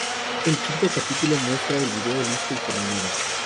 El quinto capítulo muestra el vídeo listo y terminado.